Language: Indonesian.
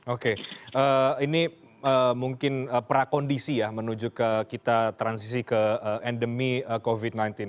oke ini mungkin prakondisi ya menuju ke kita transisi ke endemi covid sembilan belas